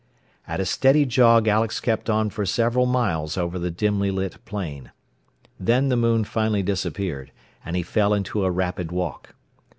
At a steady jog Alex kept on for several miles over the dimly lit plain. Then the moon finally disappeared, and he fell into a rapid walk.